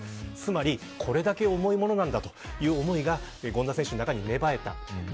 つまり、これだけ重いものなんだという思いが権田選手の中に芽生えた。